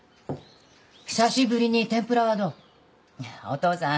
久しぶりに天ぷらはどう。